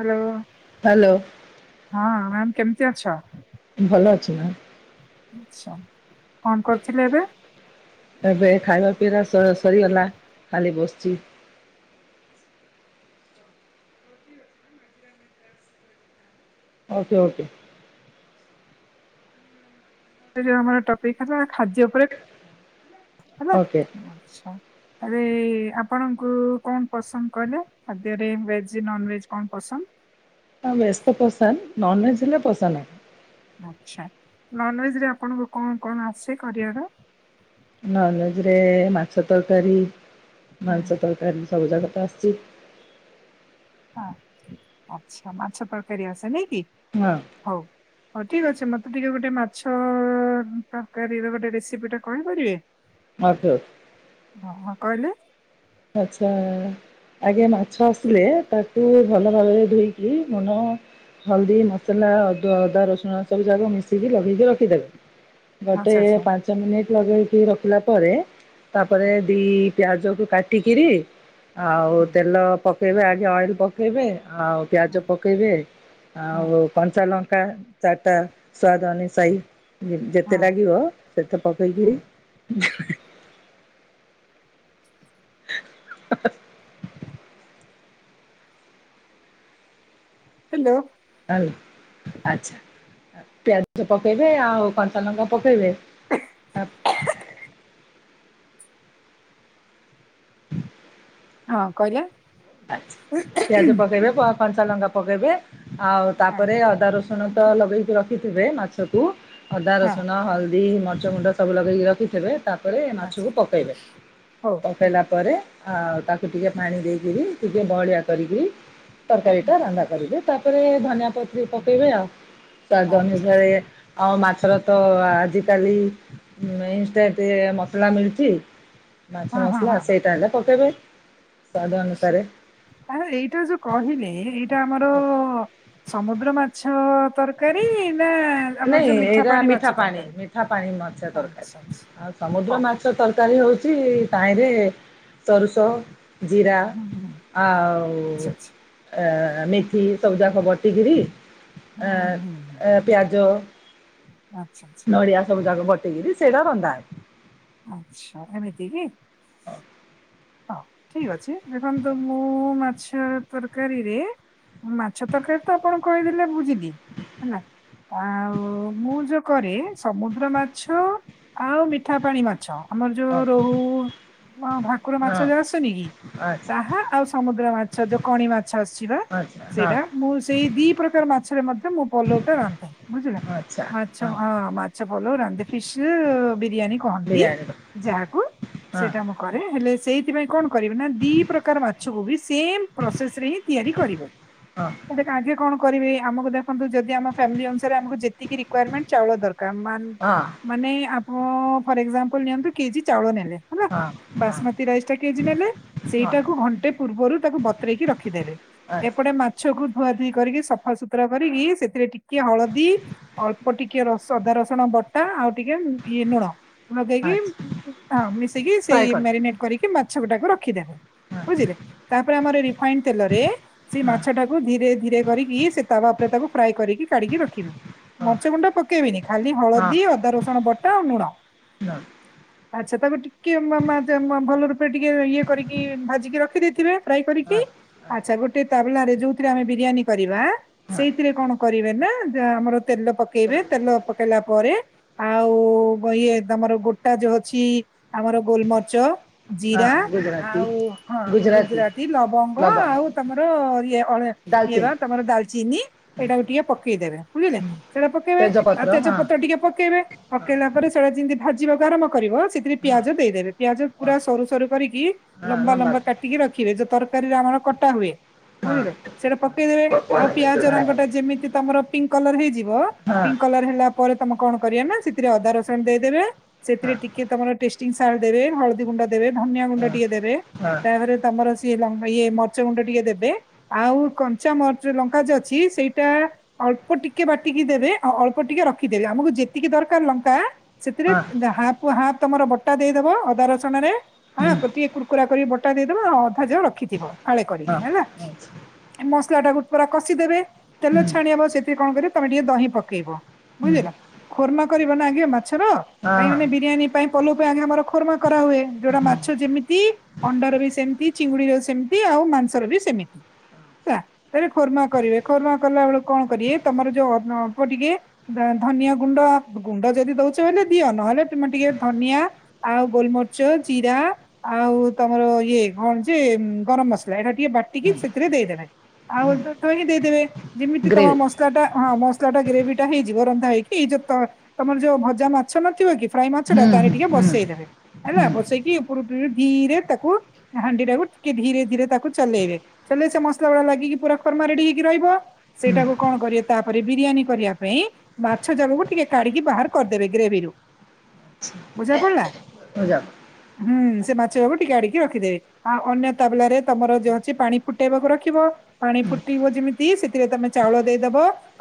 Hello hello hello ହଁ ma'am କେମିତି କେମିତି ଅଛ? ଭଲ ଅଛି ନା? ଆଛା। କଣ କରିଥିଲ ଏବେ। ଏବେ ଖାଇବା ଚି, ଓକେ ଓକେ, ଆମର ଟପିକ୍ ହେଲା ଖାଦ୍ୟ ଉପରେ ହେଲା ଓକେ ଆଛା ଆରେ ଆପଣଙ୍କୁ କଣ ପସନ୍ଦ କହିଲେ ଖାଦ୍ୟରେ ଭେଜ ନନଭେଜ କଣ ପସନ୍ଦ ହ ଭେଜ୍ ତ ପସନ୍ଦ ନନ୍ ଭେଜହେଲେ ପସନ୍ଦନାଇଁ। ଆଛା ନନଭେଜ ରେ ଆପଣଙ୍କୁ କଣ କଣ ଆସେକରିବାର, ନନ ଭେଜ ରେ ମାଂଛ ତରକାରୀ ହୁଁ, ମାଂସ ତରକାରୀ ସବୁ ଜାଗ ତ ଆସୁଚି, ହ ଆଛା ମାଛ ତରକାରୀ ଅସେ ନାଇ, ହୀ ହଁ ହଉ ହୋଇ ଠିକ ଅଛି ମତେ ଟିକେ ଗୋଟେ ମା ଛ ତକାରୀର ଗୋଟେ ରେସିପି ଟେ କହିପାରିବେ। ମାତ ଓ ଅ କହିଲେ, ଆଛା ଆଜ୍ଞା ମା ଛସିଲେ ତାକୁ ଭଲ ଆଚ୍ଛା ଭାବରେ ଆଚ୍ଛା। ଧୋଇକି ହୁଁ ମନ ହଲଦୀ ହୁଁ ହୁଁ ମସଲା ଅଦ ହଁ ହ୍ୟାଲୋ ଅଦା ହଁ ରସୁଣ ସବୁ ଯାକ ମିଶିକି କହିଲେ ଲଗେଇକି ହଁ ରଖିଦେବେ ହଁ ଆଚ୍ଛା ହଉ। ହୁଁ, ହୁଁ, ଗୋଟେ ଆଚ୍ଛା ଆଚ୍ଛା ହଁ ହଁ ହଁ। ପାଞ୍ଚ ମିନିଟ୍ ଲଗେଇକି ରଖିଲା ପରେ ତାପରେ ଦି ପିଆଜକୁ ଟିକିରି ଆଉ ତେଲ ପକ୍ [unintelligible] ଆଜି ଅଏଲ ପକାଇବେ ଆଉ ପିଆଜ ପକେଇବେ ଆଉ କଂଞ୍ଚାଲ ତା ଚାଟା ସ୍ଵାଦ ଅନୁ ସାଇ ଯେତେ ଲାଗିବ ସେତେ ପକେଇକିରି [unintelligible] ହାଁ ହା ହା ହେଲୋ ଆଉ ଆଚ୍ଛା ପିଆଜ ପକେଇବେ ଆଉ କଟାଲଙ୍କା ପକେଇବେ ତାପ ହୁଁ [inaudible] ହଁ କରିବା ଅଛି ପିଆଜ ପକେଇଦାବ କଞ୍ଚାଲଙ୍କା ପକେଇବେ ଆଉ ତାପରେ ଅଦା ରସୁଣ ତ ଲଗେଇକି ର ସେଥୀବେ ନାଛକୁୁ ଅଦା ରସୁଣ ହଲ ଦିମଚ୍ [unintelligible] ଗୁଣ୍ଡ ସବୁ ଲଗେଇକି ରଖିଥିବେ ତାପରେ ମାଛକୁ ପକେଇବେ ପକେଇଲା ପରେ ଆଉ ତାକୁ ଟିକେ ପାଣି ଦେଇକିରି ଟିକେ ବଳିିଆ କରିକି ତରକାରୀଟା ରାଲମା କରିକି ତାପରେ ଧନିଆ [unintelligible] ପକେଇବେ ଆଉ ସ୍ୱାଦ ଅନୁସାରେ ଆଉ ମା ସେଟାତ ଆଜି କାଲି ମେଇଷ୍ଟେ ତେ ମସଲା ମିଳୁଚି ମାଛ ମସଲା ସେଇଟା ହେଲେ ପକେଇବା ପାଇଁ ସ୍ୱାଦ ଅନୁସାରେ ଆ ଏଇଟା ଯୋଉ କହିଲେ ଏଇ ଆମର ସମୁଦ୍ର ମା ଛ ତରକାରୀ ନା ଆମର ନାଇଁ ଯୋଉ ଏଇଟା ପାଣି ମାଛ ମିଠା ପାଣି ତରକାରୀ? ମିଠା ପାଣି ମାଛ ତରକାରୀ ଆଚ୍ଛା ଆଚ୍ଛା ଆଉ ସମୁଦ୍ର ହଉ ମାଛ ତରକାରୀ ତରକାରୀ ହଉଛି ତାହିରେ ହୁଁ, ସୋରୁଷ ଜିରା ହୁଁ, ଆଉ ଆଚ୍ଛା ଆଚ୍ଛା। ଏ ମେଥି ସବୁ ଯାକ ବାଟିକିରି ଆ ପିଆଜ ନଡିଆ ସବୁ ଯାକ ବଟ୍ ଚିଙ୍ଗୁଡ଼ି ସେଇଟା ରନ୍ଧା ଆଚ୍ଛା ଏମିତି କି? ହଁ ଠିକ ଅଛି ଦେଖନ୍ତୁ ମୁଁ ମାଛ ତରକାରୀରେ ମାଛ ତରକାରୀ ତ ଆପଣଙ୍କୁ କହିଦେଲେ ବୁଝିଲି ଝିଲି ହେଲା ଆଉ ମୁଁ ଯୋଉ କରେ ସମୁଦ୍ର ମାଛ ଆଉ ମିଠା ପାଣି ମାଛ ଆମର ଯୋଉ ହବ। ରୋହୁ ବା ଭା ମାଛ ହଁ ଯୋଉ ଆସୁନି କି ଆଚ୍ଛା ତାହା ଆଉ ସମୁଦ୍ର ମାଛ ଯୋଉ କଣି ମାଛ ଆସୁଛି ବା ଆଚ୍ଛା ହଁ ସେଇଟା ମୁଁ ସେଇ ଦି ପ୍ରକାର ମାଛରେ ମଧ୍ୟ ମୁଁ ପଲଉଟା ରାନ୍ଧେ ବୁଝିଲ ମାଛ ହଁ ମାଛ ପଲଉ ରାନ୍ଧେ ଫି ବିରିୟାନୀ କହନ୍ତି ବିରିୟାନୀର ଯାହାକୁ ହଁ ସେଇଟା ମୁଁ କରେ ହେଲେ। ସେଇଥିପାଇଁ କଣ? ଦି ପ୍ରକାର ମାଛକୁ ସେ ପ୍ରୋସେସ ରେ ହିଁ ତିଆରି କରିବେ ହଁ କଣ? କରିବି ଆମକୁ ଦେ ଜଦି ଆମ ଫ୍ୟାମିଲି ଅନୁସାରେ ଆମକୁ ଯେତିକି ରିକୁଆର୍ ମେଣ୍ଟ ଚାଉଳ ଦରକାର ମାନ ହଁ ମାନେ ହଁ ଫର୍ ଏକ୍ଜାମ୍ପୁଲ ନିଅନ୍ତୁ କେଜି ଚାଉଳ ନେଲେ। ହଁ ହଁ ମତି ରାଇସ ଟା କେଜି ନେଲେ ହଁ ସେଇଟାକୁ ଘଣ୍ଟେ ପୂର୍ବରୁ ତାକୁ ବତୁରେଇକି ରଖିଦେଲେ ଆଚ୍ଛା ଏପଟେ ମାଛକୁ ଧୁଆ ଧୁଇ କରିକି ସଫାସୁତରା କରିକି ସେଥିରେ ଟିକେ ହଳଦୀ ଅଳ୍ପ ଟିକେ ର ଅଦା ରସୁଣ ବଟା ଆଉ ଟିକେ ଇଏ ଲୁଣ ଲଗେଇକି ଆଚ୍ଛା ମିଶେଇକି ସେ ଫ୍ରାଏ କରିଦେବେ ମ୍ୟାରିନେଟ୍ କରିକି ମାଛ ଗୁଟାକୁ ରଖିଦବୁ ହଁ ବୁଝିଲେ ତାପରେ ଆମର ରିଫାଇନ ତେଲରେ ସେଇ ହଁ। ମାଛ ଟାକୁ ଧୀରେ ଧୀରେ କରିକି ସେ ତାୱ ଉପରେ ତାକୁ ଫ୍ରାଏ କରିକି କାଢିକି ରଖିବେ ମରିଚ ଗୁଣ୍ଡ ପକେଇବନି ଖାଲି ହଳଦୀ ଅଦା ରସୁଣ ବଟା ଆଉ ଲୁଣ ଆଚ୍ଛା ତାକୁ ଟିକେ ମ ମ ମ ମ ଭଲ ରୂପେ ଟିକେ ଇଏ କରିକି ଭାଜିକି ରଖି ଦେଇଥିବେ ଫ୍ରାଏ କରିକି ଆଛା ଗୋଟେ ତାବଲାରେ ଯଉଥିରେ ଆମେ ବିରିୟାନୀ କରିବା ସେଇଥିରେ କଣ କରିବ? ନା ଆମର ତେଲ ପକେଇବେ ତେଲ ପକେଇଲା ପରେ ଆଉ ଇଏ ତମର ଗୋଟା ଯୋଉ ଅଛି ଆମର ଗୋଲମର୍ଚ ଜିରା ଆଉ ହଁ ଗୁଜୁରାତି ଲବଙ୍ଗ ଆଉ ତମର ଇଏ ଇଏ ବା ତମର ଡଲଚିନି ଏଇଟାକୁ ଟିକେ ପକେଇଦେବେ ବୁଝିଲେ ସେଟା ପକେଇବେ ଆଉ ତେଜପତ୍ର ଟିକେ ପକେଇବେ ପକେଇଲା ପରେ ସେଟା ମ ଭଜିବା କ ଆରମ କରିବ ସେଥିରେ ପିଆଜ ଦେଇଦେଲେ ପିଆଜ ପୁରା ସରୁ ସରୁ କରିକି ଲମ୍ବା ଲମ୍ବା କାଟିକି ରଖିବେ ତର ୀରେ ଆମର କଟା ହୁଏ ବୁଝିଲେ ସେଟା ପକେଇଦେବେ ଆଉ ପିଆଜ ରଙ୍ଗଟା ଯେମିତି ତମର ପିଙ୍କ କଲର ହେଇଯିବ ପିଙ୍କ କଲର ହେଲା ପରେ ତମେ କଣ କରିବା ନା ସେଥିରେ ଅଦା ରସଣ ଦେଇଦେବେ ସେଥିରେ ଟିକେ ତମର ସ ଦେବେ ଗୁଣ୍ଡ ଦେବେ ଧନି ଗୁଣ୍ଡ ଟିକେ ଦେବେ ତାପରେ ତମର ସ ଇଏ ମର୍ଚ ଗୁଣ୍ଡ ଟିକେ ଦେବେ ଆଉ କଞ୍ଚା ମଚ ଲଙ୍କା ଯ ଅଛି ସେଇଟା ଅଳ୍ପ ଟିକେ ବାଟିକି ଦେବେ ଆଉ ଅଳ୍ପ ଟିକେ ରଖିଦେବେ ଆମକୁ ଯେତିକି ଦରକାର ଲଙ୍କା ଚତରେ ହାପ ହାପ ତମର ବଟା ଦେଇଦବ ଅଦାର ରେ ହଁ ଗୋତିେ କୁର୍କୁରା କରିକ ବଟା ଦେଇଦବା ଆଉ ସଜ ରଖିଥିବ ଆଳେ କରିବି ହେଲା ମସଲା ଟା ଗ ପୁରା କଷିଦେବେ ତେଲ ଛାଣଆବ ସେଇଥିରେ କଣ କରିବ ତମେ ଟିକେ ଦହି ପକେଇବ ବୁଝିଲା ଖର୍ମା କରିବ ନା ଆଗେ ମାଛ କାଁ ମାନେ ବିରିୟାନୀ ପାଇଁ ପୋଲ ପାଇଁ ଆମର ଖର୍ମା କରା ହଏ ଯୋଉଟା ମାଛ ଯେମିତି ଅଣ୍ଡାର ବି ସେମିତି ଚିଙ୍ଗୁଡିର ସେମିତି ଆଉ ମାଂସର ବି ସେମିତି ହେଲା ତାଲେ ଖର୍ମା କରିବେ ଖର୍ମା କଲା ବେଳକୁ କଣ କରିବେ ତମର ଯୋଉ ଟିକେ ଧନି ଗୁଣ୍ଡ ଗୁଣ୍ଡ ଯଦି ଦଉଛଲେ ଦିଅ ନହେଲେ ତମେ ଟିକେ ଧନିଆ ଆଉ ଗୋଲମରିଚ ଜିରା ଆଉ ତମର ଇଏ କଣ ଯେ ଗରମ ମସଲା ଏଇଟା ଟିକେ ବାଟିକି ସେଥିରେ ଦେଇଦେବେ ଆଉ ତ ହିଁ ଦେଇଦେବେ ଯେମିତି ତମର ମସଲା ଟା ହଁ ଟା ଗ୍ରେଭି ଟା ହେଇଯିବ ରନ୍ଧା ହେଇକି ଏଇ ଯୋଉ ତମର ଯୋଉ ଭଜା ମାଛ ନଥିବ କି? ଫ୍ରାଇ ମାଛଟା ତାହେଲେ ଟିକେ ବସେଇଦେବେ। ହେଲା ବସେଇକି ଉପର ଉପ ଧୀରେ ତାକୁ ହାଣ୍ଡି ଟାକୁ ଟିକେ ଧୀରେ ଧୀରେ ତାକୁ ଚଲେଇବେ ଚଲେଇ ସେ ମସଲା ଗ ଲାଗିକି ପୁରା ଖରମା ରେଡି ହେଇକି ରହିବ ସେଇଟାକୁ କଣ କରିବେ ତାପରେ ବିରିୟାନୀ କରିବା ପାଇଁ ମାଛ ଜଳକୁ ଟିକେ କାଢିକି ବାହାର କରିଦେବେ ଗ୍ରେଭିରୁ ବୁଝା ପଡିଲା। ଆ ଯା [inaudible] ହୁଁ ସେ ମାଛିବାକୁ ଟିକେ କାଢିକି ରଖିଦେବେ ଆଉ ଅନ୍ୟ ତାବଲାରେ ତମର ଯଉ ଅଛି ପାଣି ଫୁଟେଇବାକୁ ରଖିବ ପାଣି ଫୁଟେଇବ ଯେମିତି ସେଥିରେ ତମେ ଚାଉଳ ଦେଇଦବ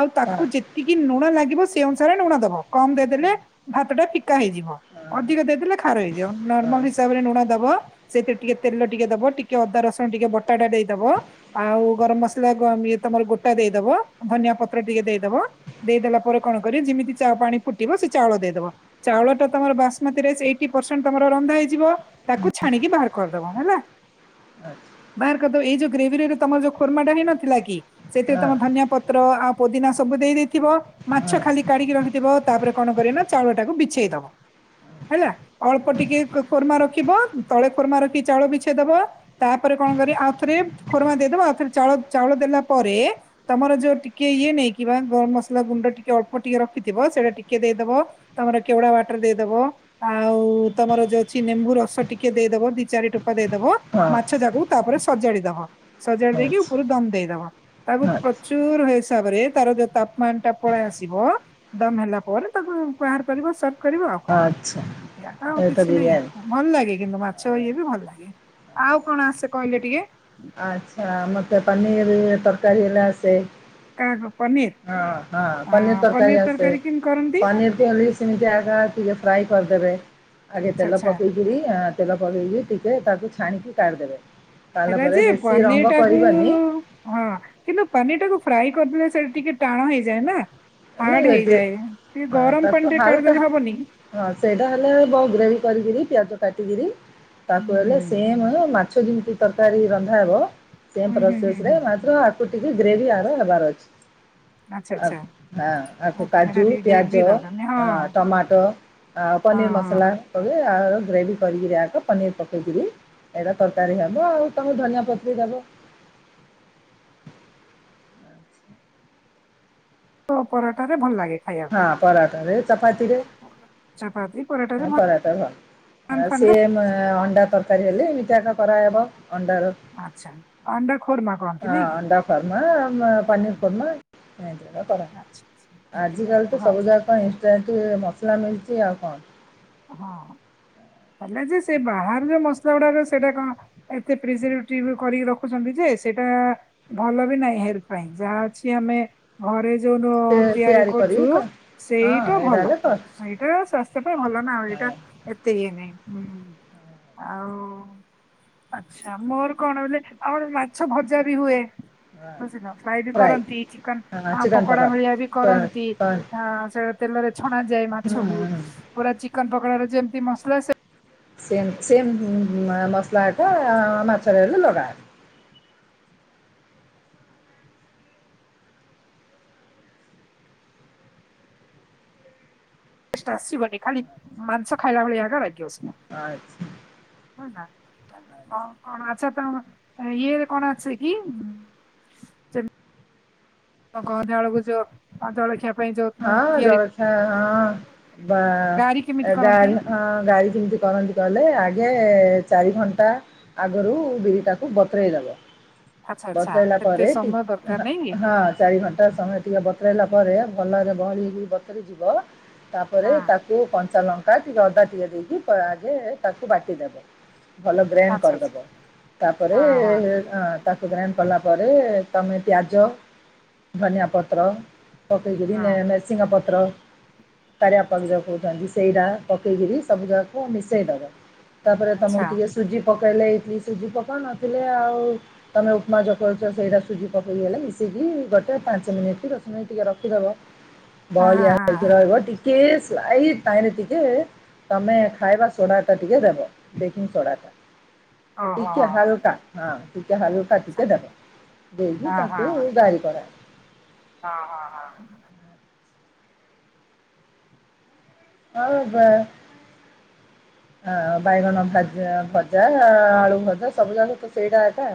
ଆଉ ତାକୁ ଯେତିକି ଲୁଣ ଲାଗିବ ସେ ଅନୁସାରେ ଲୁଣ ଦବ କମ ଦେଇଦେଲେ ଭାତ ଟା ଫିକା ହେଇଯିବ ଅଧିକ ଦେଇଦେଲେ ହେଇଯିବ ନର୍ମାଲ ହିସାବରେ ଲୁଣ ଦବ, ସେଥିରେ ଟିକେ ତେଲ ଟିକେ ଦବ, ଟିକେ ଅଦା ରସୁଣ ଟିକେ ବଟାଟା ଦେଇଦବ, ଆଉ ଗରମ ମସଲା ତମର ଗୋଟା ଦେଇଦବ ଧନିଆ ପତ୍ର ଟିକେ ଦେଇଦବ ଦେଇଦେଲା ପରେ କଣ କରିବ ଯେମିତି ପାଣି ଫୁଟିବ ସେ ଚାଉଳ ଦେଇଦବ। ଚାଉଳ ଟା ତମର ବାସୁମତୀ ରନ୍ଧା ହେଇଯିବ ତାକୁ ଛାଣିକି ବାହାର କରିଦବ ହେଲା। ବାହାର କରିଦବ ଏଇ ଯୋଉ ଗ୍ରେଭି ତମର ଯୋଉ ଖର୍ମା [unintelligible] ଟା ହେଇନଥିଲା କି? ସେଥିରେ ତମେ ଧନିଆ ପତ୍ର ପତ୍ର ଆଉ ପୋଦିନା ସବୁ ଦେଇ ଦେଇେଇଥିବ ମାଛ ଖାଲି କାଢିକି ରଖିଥିବ ତାପରେ କଣ କରିବ ନା ଚାଉଳ ଟାକୁ ବିଛେଇ ଦବ ହେଲା। ଅଳ୍ପ ଟିକେ ଖୋରମା ରଖିବ ତଳେ ଖୋରମା ରଖିକି ଚାଉଳ ବିଛେଇ ଦବା ତାପରେ କଣ କରି ଆଉ ଥରେ ଖୋରମା ଦେଇଦବା ଆଉଥରେ ଚାଉଳ ଦେଲା ପରେ ତମର ଯୋଉ ଟିକେ ଇଏ ନେଇକି ବା ଗରମ ମସଲା ଗୁଣ୍ଡ ଟିକେ ଅଳ୍ପ ଟିକେ ରଖିଥିବ ସେଇଟା ଟିକେ ଦେଇଦବ ତମର କେଉଡା ୱାଟର ଦେଇଦବ। ଆଉ ତମର ଯୋଉ ଅଛି ଲେମ୍ବୁ ରସ ଟିକେ ଦେଇଦବ। ଦି ଚାରି ଠୋପା ଦେଦବ ମଛ ଜାଗ [unintelligible] ତାପରେ ସଜାଡି ଦବ ସଜାଡି ଦେଇକି ଉପରୁ ଦମ ଦେଇଦବ ତାକୁ ଆଚ୍ଛା ପ୍ରଚୁର ହିସାବରେ ତାର ଯୋଉ ତାପମାନ ଟା ପଳେଇ ଆସିବ ଦମ ହେଲା ପରେ ତାକୁ ବାହାର କରିବ। କରିବ ଆଉ କଣ ଆଚ୍ଛା ଆଉ ଏ ତ କିଛି ନାଇଁ ବିରିୟାନୀ ଭଲ ଲାଗେ। କିନ୍ତୁ ମାଛ ଇଏ ବି ଭଲ ଲାଗେ ଆଉ କଣ ଆସେ କହିଲେ ଟିକେ? ଆଛା ମତେ ପନୀର ତରକାରୀ କରଲା ଆସେ [inaudible] କାଗ [unintelligible] ପନିର ହଁ ପନିର ତରକାରୀ ଆସେ ପନିର ଚିଲି ସେମିତି ଆସେ ଟିକେ। ଫ୍ରାଇ କରିଦେବେ। ଆଜ୍େ [unintelligible] ଆଚ୍ଛା ତେଲ ଆଚ୍ଛା ପକେଇକରି ତେଲ ପକେଇକି ଟିକେ ତାକୁ ଛାଣିକି କାଢ଼ି ଦେବେ। ହେଲାଯେ ପନିର ଟାକୁୁ ହଁ କିନ୍ତୁ ପନିର ଟାକୁ ଫ୍ରାଏ କରିଦେଲେ ସେଇଟା ଟିକେ ଟାଣ ହେଇଯାଏ ନା? ହାର୍ଡ ନାଇଁ ହେଇଯାଏ। ଟିକେ ହଁ ଗରମ ତାକୁ ପାଣିରେ ହାଲକା କାଢିଦେଲେ ହବନି ହଁ ସେଇଟା ହେଲେ ବହୁତ ଗ୍ରେଭି କରିକି ପିଆଜ କାଟିଗିରି [unintelligible] ହୁଁ ହୁଁ ତାକୁଲେ ସେମ୍ [unintelligible] ମାଛ ଯେମିତି ତରକାରୀ ରନ୍ଧା ହେବ ସେମ୍ ହୁଁ ହୁଁ ହୁଁ ହୁଁ ପ୍ରୋସସରେ କଟିିକ ଗ୍ରେଭି ଆହାର ବର ଅଛି [unintelligible] ଆଚ୍ଛା ଆ ଆଚଛା [unintelligible] କାଜୁ ପିଆଜ ନାଇଁ ହଁ ଟମାଟୋ ହଁ ପନିର ହଁ ମସଲା ଗ୍ରେଭି କରି ପନିର ପକେଇକରି ଏଇଟା ତରକାରୀ ହବ ଆଉ ତମ ଧନିଆ ପତ୍ର ଦବ। ତ ପରଟାରେ ଭଲ ଲାଗେ ଖାଇବାକୁ। ହଁ ପରାଠା ରରେ ଚପାତି ପରଟାରେ ଚପତିରେରେ ଭଲ ପରାଠା ଭ ନାନ୍ ଫାନ୍ ସେ ରେ ଅଣ୍ଡା ତରକାର ହେଲେ ଏମିତି୍ୟାକା କରାହବ ମାଛ ଆଣଣ୍ଡା ଖୋର ମା ହଁ ଅଣ୍ଡା ଫର୍ମା ପନିର ଫର୍ମା କରନ୍ତି ଆଚ୍ଛା, ଆଚ୍ଛା ଆଜି ଏମିତିକା କାଲି ତ ହଉ ସବୁ ଯାକ ଇନଷ୍ଟା ମସଲା ମିଳଛି ଆଉ କଣ ହଁ ହେଲେ ଯେ ସେ ବାହାରେ ଯୋଉ ମସଲା ଗୁଡାର ସେଇଟା କଣ ଏତେ ପ୍ରିଜି ଯୋଉ ଡୋ ସେ ତିଆରି କରୁଚୁ କରିବି କ ହଁ ସେଇଟା ଏଇଟା ଭଲ ହେଲେ କର ସେଇଟା ସ୍ୱାସ୍ଥ୍ୟ ପାଇଁ ଭଲ। ମାଉଁ ହଁ ଏଇଟା ଏତିକି। ହୁଁ ଆଉ ଆଛା ମୋର କଣ ବଲେ ଆଉ ଗୋଟେ ମାଛ ଭଜା ବି ହୁଏ। ହଁ ବୁଝିଲ ଫ୍ରାଏ ବି ଫ୍ରାଇ କରନ୍ତି ଚିକନ୍ ହଁ ପକୋଡା ଭଳିଆ ବି କରନ୍ତି ଆ ସେ ତେଲରେ ଛଣା ଯାଏ ମାଛକୁ ହୁଁ ପୁରା ଚି ପକଡାରେ ଯେମିତି ମସଲା ସେ ସେମ୍ ସେମ୍ ମସଲାଟା ମାଛର ହେଲେ ଲଗା। ଟେଷ୍ଟ ଆସିବନି ଖାଲି ମାଂସ ଖାଇଲା ଭଳିଆ ଏକା ଲାଗିିବ ସେ ଆଚ୍ଛା। ହଁ କଣ ଆଚ୍ଛା ତ ଇ କଣ ଅଛି କି? ଚେମ୍ ତ ଗଧା ବେଳକୁ ଯୋ ଜଳଖିଆ ପାଇଁ ଯୋଉ ହଁ ତିଆରି ଜଳଖିଆ ହଁ ବା ଗାରି କେମିତି କରନ୍ତି ଗାରି ହଁ ଗାରି ଯେମିତି କରନ୍ତି କହିଲେ ଆଗେ ଚାରି ଘଣ୍ଟା ଆଗରୁ ବିରିଟାକୁ ବତୁରେଇଦବ। ଆଚ୍ଛା ଆଚ୍ଛା ବତୁରାଇଲା ଏତେ ପରେ ସମୟ ଦରକାର ନାଇଁ କି? ହଁ ଚାରି ଘଣ୍ଟା ସମୟ ଆଜ୍ଞା। ଟିକେ ବତୁରାଇଲା ପରେ ଭଲ ଆଗେ ବହଳି ହେଇକି ବତୁରି ଯିବ ତାପରେ ତାକୁ କ ଲଙ୍କା ଟିକେ ଅଦା ଟିକେ ଦେଇକି ଆଗେ ତାକୁ ବାଟିଦବ। ଭଲ ଗ୍ରାଇଣ୍ଡ କରିଦବ ତାପରେ ତାକୁ ଗ୍ରାଇଣ୍ଡ କଲା ପରେ ତମେ ପିଆଜ ଧନିଆ ପତ୍ର ପ [unintelligible] ମେସିଙ୍ଗା ପତ୍ର। କାରି ଆପଣ ଯୋଉ କହୁଛନ୍ତି ସେଇରା ପକେଇ କିରି ସବୁ ଯାକକୁ ମିଶେଇଦବ। ତାପରେ ତମକୁ ଟିକେ ସୁଜି ପ କହିଲେ ଏଟିଲି ସୁଜି ପକାଉ ନଥିଲେ ଆଉ ତମେ ଉପମା ଯୋଉ କରୁଚ ସେଇଟା ସୁଜି ପକେଇ ଦେଲେ ମିଶିକି ଗୋଟେ ପାଞ୍ଚ ମିନିଟ୍ ଟିକେ ର ଖି ଦବ। ବହଳିଆ ହେଇକି ରହିବ ଟିକେ ସ୍ ତ୍ୱାଇ ଟାଇରେ ଟିକେ ତମେ ଖାଇବା ସୋଡା ଟା ଟିକେ ଦେବ ବେକିଂ ସୋଡା ଟା। ଟିକେ ହାଲକା ହଁ ଟିକେ ହାଲୁକା ଟିକେ ଦେବ ଦେଇକି ତାକୁ ବାରି କର। ହଁ ହଁ ହଁ। ହଁ ବା ବାଇଗଣ ଭଜା ଭଜା ଆଳୁ ଭଜା ସବୁ ଯାକ ତ ସେଇଟା ଏକା।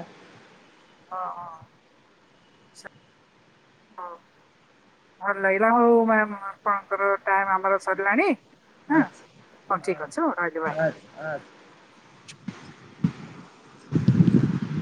ହଁ ହଁ। ହଁ ଲହିରା ହୋଉ ମ୍ୟାମ୍ ଆପଣଙ୍କର ଟାଇମ୍ ଆମର ସରିଲାଣି। ହଁ, ଆଚ୍ଛା ହଉ ଠିକ୍ ଅଛି ମୁଁ ରହିଲି ବାଏ। ହଁ ଆଚ୍ଛା ଆ। ଆ